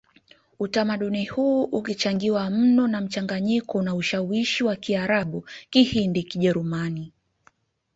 Utamaduni huu ukichangiwa mno na mchanganyiko na ushawishi wa Kiarabu Kihindi Kijerumani